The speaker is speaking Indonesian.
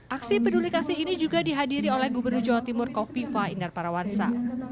aksi peduli kasih ini juga dihadiri oleh gubernur jawa timur kofifa indar parawansa